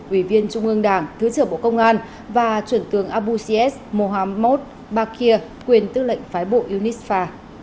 ủy viên trung ương đảng thứ trưởng bộ công an và truyền tướng abusies mohamed bakir quyền tư lệnh phái bộ unisfa